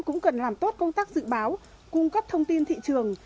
cũng cần làm tốt công tác dự báo cung cấp thông tin thị trường